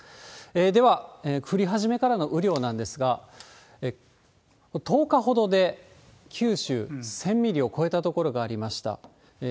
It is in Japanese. では、降り始めからの雨量なんですが、１０日ほどで九州、１０００ミリを超えた所がありました。